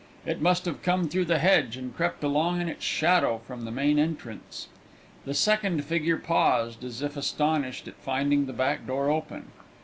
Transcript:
It must have come through the hedge and crept along in its shadow from the main entrance. The second figure paused, as if astonished at finding the back door open.